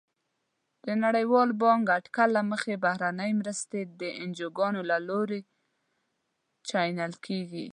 د نړیوال بانک اټکل له مخې بهرنۍ مرستې د انجوګانو له لوري چینل کیږي.